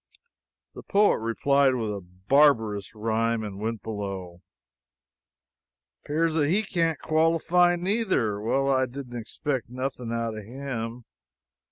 The poet replied with a barbarous rhyme and went below. "'Pears that he can't qualify, neither. Well, I didn't expect nothing out of him.